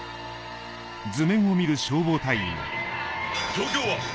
状況は？